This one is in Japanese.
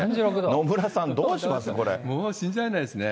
野村さん、もう信じられないですね。